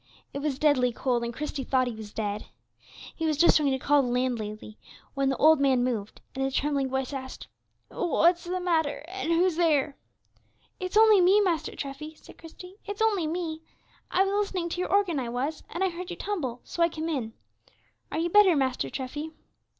It was deadly cold, and Christie thought he was dead. He was just going to call the landlady, when the old man moved, and in a trembling voice asked, "What's the matter, and who's there?" "It's only me, Master Treffy," said Christie, "it's only me. I was listening to your organ, I was, and I heard you tumble, so I came in. Are you better, Master Treffy?"